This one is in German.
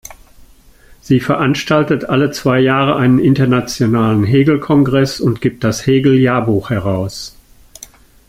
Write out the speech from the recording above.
Sie veranstaltet alle zwei Jahre einen internationalen Hegel-Kongress und gibt das "Hegel-Jahrbuch" heraus.